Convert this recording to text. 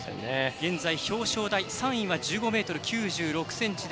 現在、表彰台３位は１５ｍ９６ｃｍ。